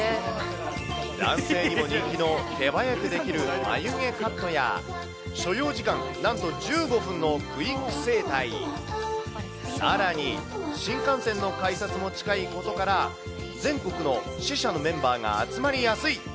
男性にも人気の手早くできる眉毛カットや、所要時間、なんと１５分のクイック整体、さらに、新幹線の改札も近いことから、全国の支社のメンバーが集まりやすい！